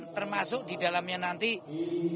termasuk di dalamnya nanti akan kita awali